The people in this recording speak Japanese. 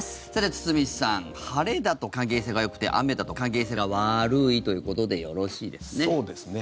堤さん晴れだと関係性がよくて雨だと関係性が悪いということでよろしいですね？